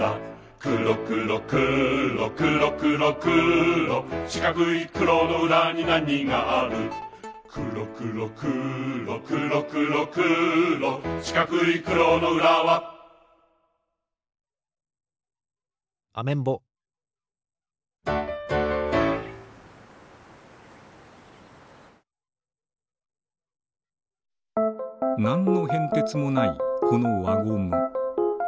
くろくろくろくろくろくろしかくいくろのうらになにがあるくろくろくろくろくろくろしかくいくろのうらはアメンボなんのへんてつもないこのわゴム。